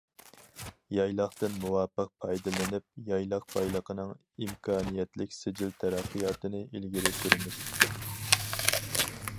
يايلاقتىن مۇۋاپىق پايدىلىنىپ، يايلاق بايلىقىنىڭ ئىمكانىيەتلىك سىجىل تەرەققىياتىنى ئىلگىرى سۈرىمىز.